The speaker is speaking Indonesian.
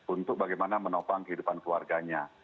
untuk bagaimana menopang kehidupan keluarganya